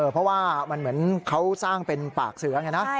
เพราะว่ามันเหมือนเขาสร้างเป็นปากเสือไงนะ